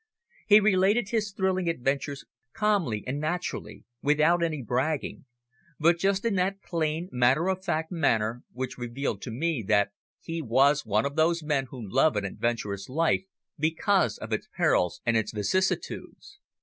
He related his thrilling adventures calmly and naturally, without any bragging, but just in that plain, matter of fact manner which revealed to me that he was one of those men who love an adventurous life because of its perils and its vicissitudes.